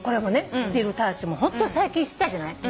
スチールたわしもホント最近知ったじゃない。